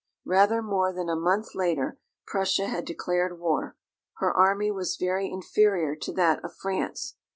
Rather more than a month later, Prussia had declared war. Her army was very inferior to that of France.